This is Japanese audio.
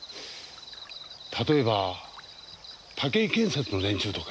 例えば岳井建設の連中とか。